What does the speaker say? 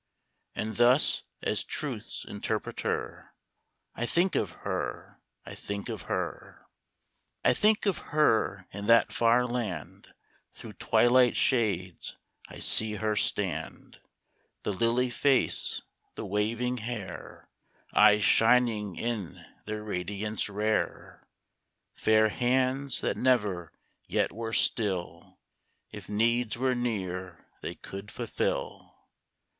And thus — as Truth's interpreter, I think of her, I think of her. A TWILIGHT MEMORY. I think of her in that far land, Through twilight shades I see her stand; The lily face, the waving hair, Eyes shining in their radiance rare ; Fair hands, that never yet were still If needs were near they could fulfil.